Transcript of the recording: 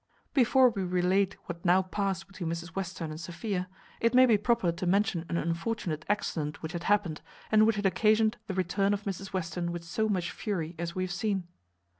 Before we relate what now passed between Mrs Western and Sophia, it may be proper to mention an unfortunate accident which had happened, and which had occasioned the return of Mrs Western with so much fury, as we have seen.